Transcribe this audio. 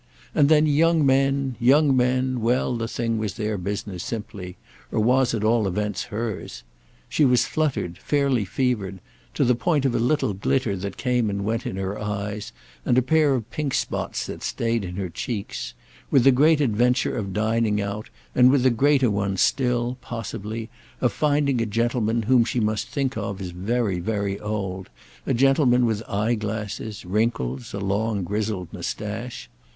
And then young men, young men—well, the thing was their business simply, or was at all events hers. She was fluttered, fairly fevered—to the point of a little glitter that came and went in her eyes and a pair of pink spots that stayed in her cheeks—with the great adventure of dining out and with the greater one still, possibly, of finding a gentleman whom she must think of as very, very old, a gentleman with eye glasses, wrinkles, a long grizzled moustache.